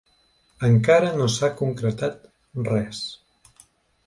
Encara no s’ha concretat res.